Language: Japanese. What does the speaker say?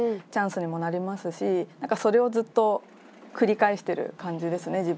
チャンスにもなりますし何かそれをずっと繰り返してる感じですね